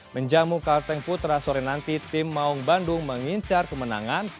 menjamu kalteng putra sore nanti tim maung bandung mengincar kemenangan